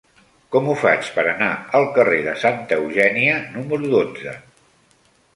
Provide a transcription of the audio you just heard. Com ho faig per anar al carrer de Santa Eugènia número dotze?